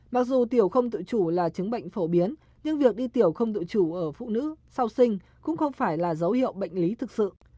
mặc dù tiểu không tự chủ là chứng bệnh phổ biến nhưng việc đi tiểu không tự chủ ở phụ nữ sau sinh cũng không phải là dấu hiệu bệnh lý thực sự